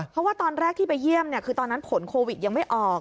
เพราะว่าตอนแรกที่ไปเยี่ยมคือตอนนั้นผลโควิดยังไม่ออก